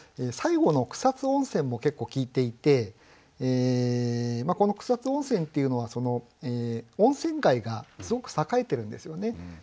最後の「草津温泉」も結構効いていてこの草津温泉っていうのは温泉街がすごく栄えているんですよね。